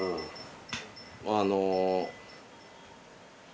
あの。